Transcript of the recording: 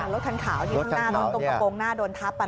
รถคันขาวที่ข้างหน้ารถตรงกระโปรงหน้าโดนทับ